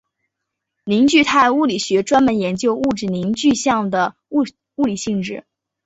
凝聚态物理学专门研究物质凝聚相的物理性质。